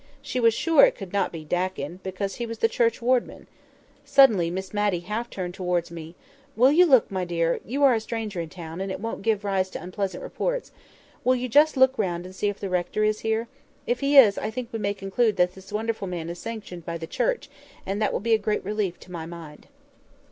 She was sure it could not be Dakin, because he was the churchwarden. Suddenly Miss Matty half turned towards me— "Will you look, my dear—you are a stranger in the town, and it won't give rise to unpleasant reports—will you just look round and see if the rector is here? If he is, I think we may conclude that this wonderful man is sanctioned by the Church, and that will be a great relief to my mind."